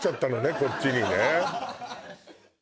こっちにね